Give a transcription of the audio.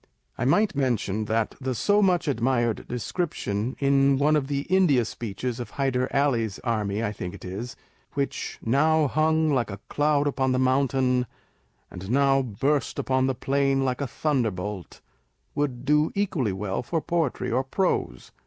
I might mention that the so much admired description in one of the India speeches, of Hyder Ally's army (I think it is) which u now hung like a cloud upon the moun tain, and now burst upon the plain like a thunderbolt," would do equally well for poetry or prose.